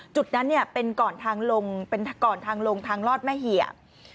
จุดนั้นเป็นก่อนทางลงทางลอดแม่เหยีย